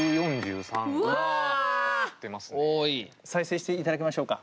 再生していただきましょうか。